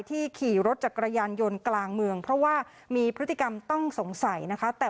ขี่รถจักรยานยนต์กลางเมืองเพราะว่ามีพฤติกรรมต้องสงสัยนะคะ